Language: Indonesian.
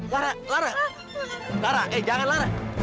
lara lara lara eh jangan lara